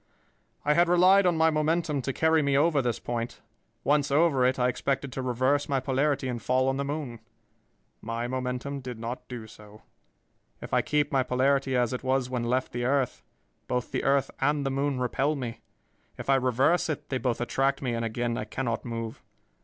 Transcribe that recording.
"I had relied on my momentum to carry me over this point. Once over it, I expected to reverse my polarity and fall on the moon. My momentum did not do so. If I keep my polarity as it was when left the earth, both the earth and the moon repel me. If I reverse it, they both attract me, and again I cannot move.